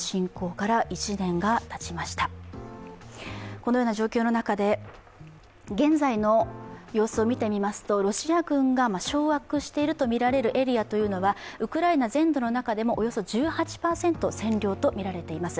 このような状況の中で、現在の様子を見てみますとロシア軍が掌握しているとみられるエリアはウクライナ全土の中でもおよそ１８％占領とみられています。